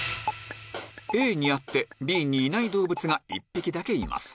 ＡにあってＢにいない動物が１匹だけいます